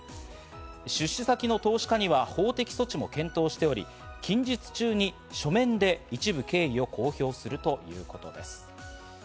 出資先の投資家には法的措置も検討しており、近日中に書面で一部経緯を公表するということです。